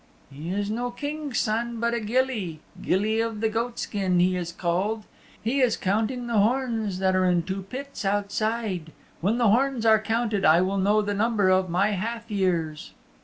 "He is no King's Son, but a gilly Gilly of the Goat skin he is called. He is counting the horns that are in two pits outside. When the horns are counted I will know the number of my half years."